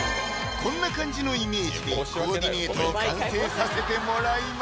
こんな感じのイメージでコーディネートを完成させてもらいます